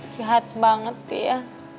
lihat banget dia